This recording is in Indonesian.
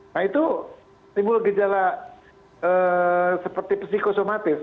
nah itu timbul gejala seperti psikosomatis